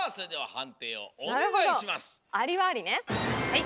はい！